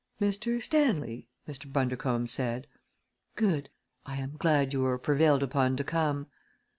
"Mr. Stanley?" Mr. Bundercombe said. "Good! I am glad you were prevailed upon to come."